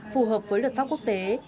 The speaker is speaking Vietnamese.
phù hợp với luật pháp quốc tế